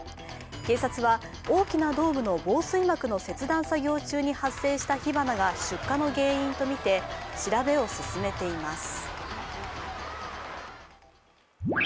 警察は大きなドームの防水膜の切断作業中に発生した火花が出火の原因とみて調べを進めています。